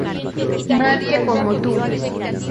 nadie como tú